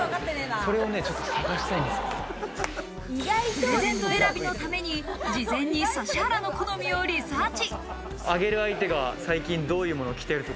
プレゼント選びのために事前に指原の好みをリサーチ。